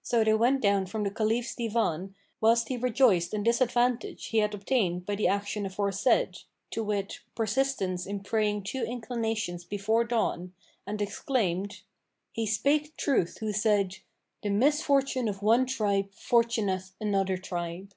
So they went down from the Caliph's Divan whilst he rejoiced in this advantage he had obtained by the action aforesaid, to wit, persistence in praying two inclinations before dawn, and exclaimed, "He spake truth who said, 'The misfortune of one tribe fortuneth another tribe.'"